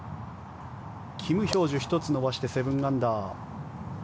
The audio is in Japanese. キム・ヒョージュ１つ伸ばして７アンダー。